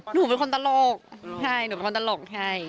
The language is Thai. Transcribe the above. หนูเป็นคนตลกใช่หนูเป็นคนตลกใช่